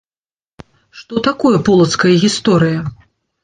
Што такое полацкая гісторыя?